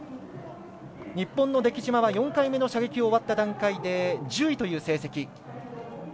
日本の出来島は４回目の射撃を終わった段階で１０位という成績。